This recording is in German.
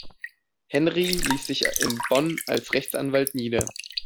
Henry ließ sich in Bonn als Rechtsanwalt nieder.